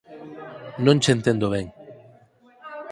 Non che entendo ben